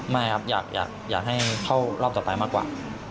ไม่ครับอยากให้เข้ารอบต่อไปมากกว่า